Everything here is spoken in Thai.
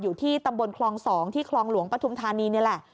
อยู่ที่ตำบลคลอง๒ที่คลองหลวงปฐุมธานีนี่แหละ